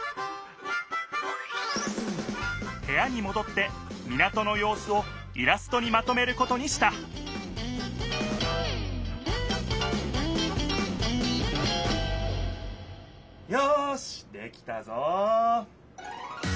へやにもどって港のようすをイラストにまとめることにしたよしできたぞ！